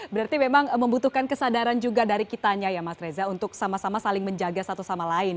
berarti memang membutuhkan kesadaran juga dari kitanya ya mas reza untuk sama sama saling menjaga satu sama lain